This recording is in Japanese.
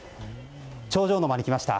頂上の間に来ました。